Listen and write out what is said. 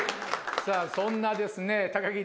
さあそんなですね。